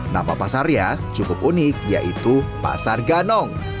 nama pasarnya cukup unik yaitu pasar ganong